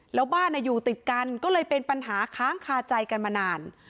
แล้วบ้านอยู่ติดกันก็เลยเป็นปัญหาค้างคาใจกันมานาน